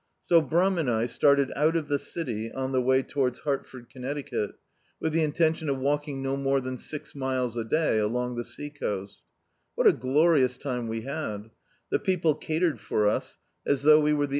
So I and Brum started out of the City, on the way towards Hartford, Connecticut, with the intention of walking no more than six miles a day along the sea coast What a glorious time we had; tix people catered for us as thou^ we were the D,i.